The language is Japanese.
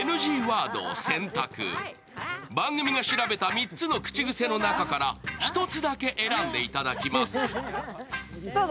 番組が調べた３つの口癖の中から１つだけ選んでいただきます。